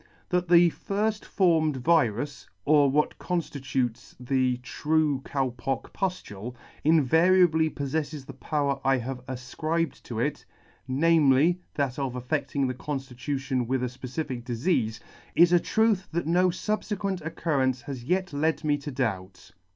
That the firft formed virus, or what conftitutes the true Cow pock puftule, invariably poffeffes the power I have afcribed to it, namely, that of affecting the conffitution with a fpecific difeafe, is a truth that no fubfequent occurrence has yet led me to doubt.